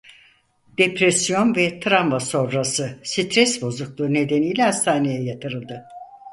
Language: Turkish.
Depresyon ve travma sonrası stres bozukluğu nedeniyle hastaneye yatırıldı.